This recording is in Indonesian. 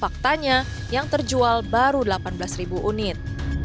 faktanya yang terjual baru delapan belas ribu unit